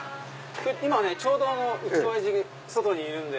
今ちょうどうちのおやじ外にいるんで。